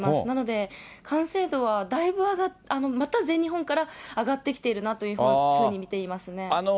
なので、完成度はだいぶ、また全日本から上がってきているなというふうに見ていますね。